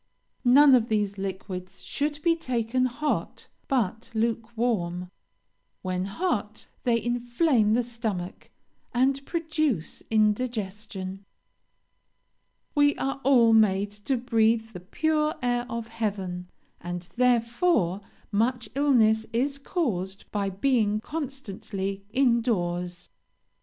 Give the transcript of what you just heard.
None of these liquids should be taken hot, but lukewarm; when hot they inflame the stomach, and produce indigestion. "We are all made to breathe the pure air of heaven, and therefore much illness is caused by being constantly in doors.